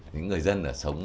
những người dân là sống